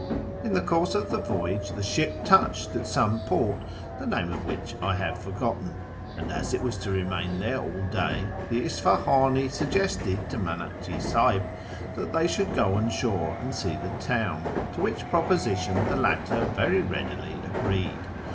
In the course of the voyage the ship touched at some port, the name of which I have forgotten, and, as it was to remain there all day, tlie Isfahan! suggested to Manakji Sahib that they should go on shore and see the town, to which proposition the latter very readily agreed.